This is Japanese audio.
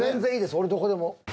俺どこでも。